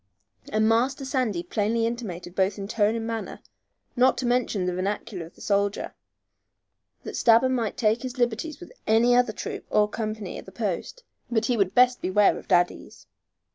and Master Sandy plainly intimated both in tone and manner, not to mention the vernacular of the soldier, that Stabber might take liberties with any other troop or company at the post, but would best beware of Daddy's.